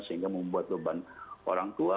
sehingga membuat beban orang tua